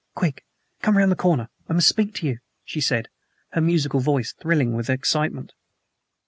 "Quick! Come round the corner. I must speak to you," she said, her musical voice thrilling with excitement.